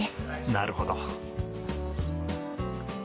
なるほど。